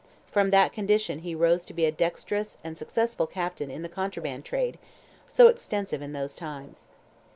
From that condition he rose to be a dexterous and successful captain in the contraband trade, so extensive in those times.